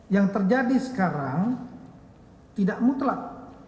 yang terjadi sekarang tidak mutlak